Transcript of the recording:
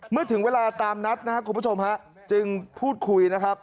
เมื่อถึงเวลาตามนัดนะครับคุณผู้ชมฮะจึงพูดคุยนะครับ